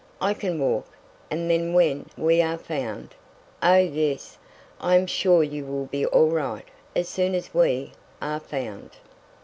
I can walk, and then when we are found " "Oh, yes. I am sure you will be all right as soon as we are found!"